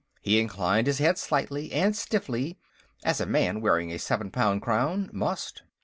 He inclined his head slightly and stiffly, as a man wearing a seven pound crown must.